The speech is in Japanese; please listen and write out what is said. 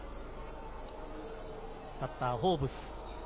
バッター・フォーブス。